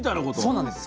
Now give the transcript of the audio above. そうなんです。